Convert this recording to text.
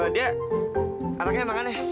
dia anaknya emang aneh